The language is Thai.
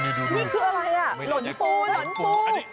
นี่คืออะไรอ่ะหล่นปูหล่นปู